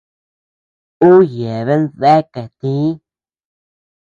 Uu yeabean deakea tïi.